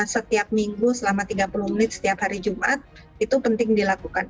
setiap minggu selama tiga puluh menit setiap hari jumat itu penting dilakukan